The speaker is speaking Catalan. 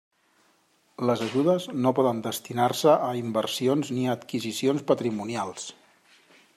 Les ajudes no poden destinar-se a inversions ni a adquisicions patrimonials.